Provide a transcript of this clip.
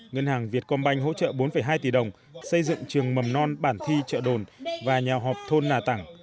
ngân hàng việt công banh hỗ trợ bốn hai tỷ đồng xây dựng trường mầm non bản thi chợ đồn và nhà họp thôn nà tẳng